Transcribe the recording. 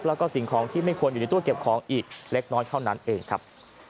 แล้วก็สิ่งของที่ไม่ควรอยู่ในตู้เก็บของอีกเล็กน้อยเท่านั้นเองครับ